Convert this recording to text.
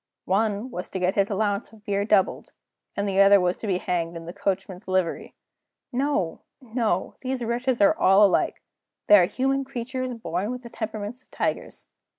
One was to get his allowance of beer doubled, and the other was to be hanged in his coachman's livery. No! no! these wretches are all alike; they are human creatures born with the temperaments of tigers.